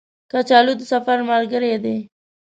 کچالو د سفر ملګری دی